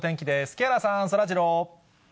木原さん、そらジロー。